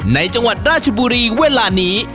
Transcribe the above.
จังหวัดราชบุรีเวลานี้